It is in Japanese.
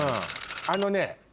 あのね